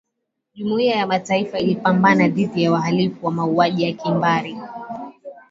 jumuiya ya mataifa ilipambana dhidi ya wahalifu wa mauaji ya kimbari